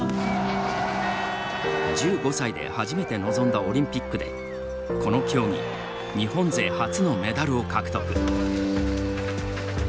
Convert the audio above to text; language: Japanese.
１５歳で初めて臨んだオリンピックで、この競技日本勢初のメダルを獲得。